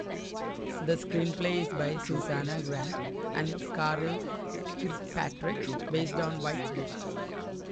The screenplay is by Susannah Grant and Karey Kirkpatrick, based on White's book.